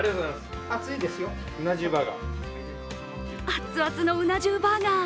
熱々のうな重バーガー